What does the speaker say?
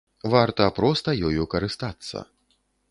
Варта проста ёю карыстацца.